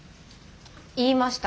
言いました。